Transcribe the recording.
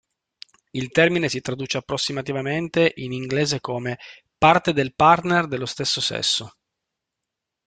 Il termine si traduce approssimativamente in inglese come "parte del partner dello stesso sesso".